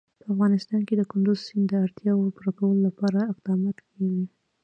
په افغانستان کې د کندز سیند د اړتیاوو پوره کولو لپاره اقدامات کېږي.